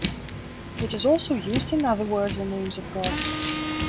It is also used in other words or names of gods.